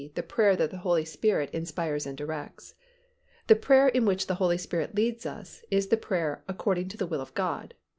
_, the prayer that the Holy Spirit inspires and directs). The prayer in which the Holy Spirit leads us is the prayer "according to the will of God" (Rom.